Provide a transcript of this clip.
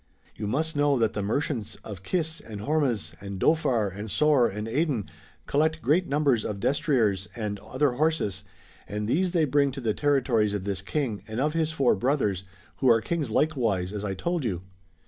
You must know that the mercliants of Kis and HoKMKs, IDofar and Soer and Aden collect great numbers of destriers and other horses, and these they luring to the territories of this King, and of his four brothers, who are kings likewise as I told you.